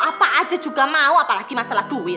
apa aja juga mau apalagi masalah duit